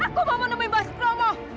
aku mau menemui mbak swigromo